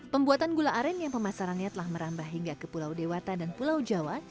pembuatan gula aren yang pemasarannya telah merambah hingga ke pulau dewata dan pulau jawa